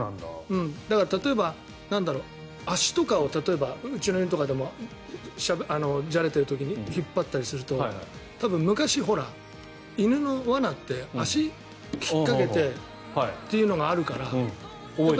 だから、例えば足とかをうちの犬とかでもじゃれている時に引っ張ったりすると多分、昔、犬の罠って足ひっかけてというのがあるから。